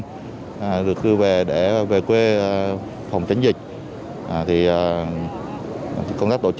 tỉnh bình dương được cư về để về quê phòng tránh dịch